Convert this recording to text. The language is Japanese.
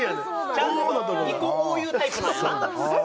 ちゃんと２個「お」を言うタイプなんやな